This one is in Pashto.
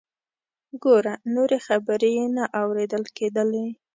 ګوره…. نورې خبرې یې نه اوریدل کیدلې.